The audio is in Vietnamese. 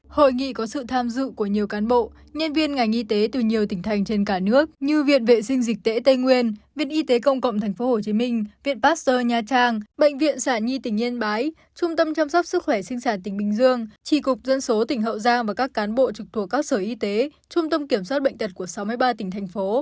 hội nghị có sự tham dự của nhiều cán bộ nhân viên ngành y tế từ nhiều tỉnh thành trên cả nước như viện vệ sinh dịch tễ tây nguyên viện y tế công cộng tp hcm viện pasteur nha trang bệnh viện sản nhi tỉnh yên bái trung tâm chăm sóc sức khỏe sinh sản tỉnh bình dương tri cục dân số tỉnh hậu giang và các cán bộ trực thuộc các sở y tế trung tâm kiểm soát bệnh tật của sáu mươi ba tỉnh thành phố